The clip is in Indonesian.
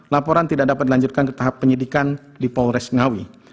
laporan tidak dapat dilanjutkan ke tahap penyidikan di polres ngawi